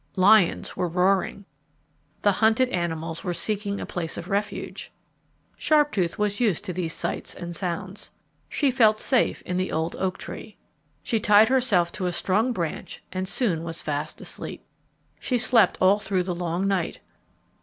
Lions were roaring. The hunted animals were seeking a place of refuge. Sharptooth was used to these sights and sounds. She felt safe in the old oak tree. She tied herself to a strong branch and soon was fast asleep. She slept all through the long night.